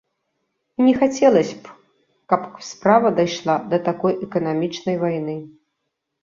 І не хацелася б, каб справа дайшла да такой эканамічнай вайны.